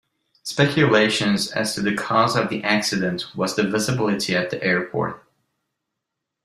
Speculations as to the cause of the accident was the visibility at the airport.